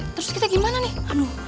terus kita gimana nih